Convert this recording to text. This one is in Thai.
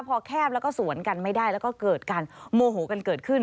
พอแคบแล้วก็สวนกันไม่ได้แล้วก็เกิดการโมโหกันเกิดขึ้น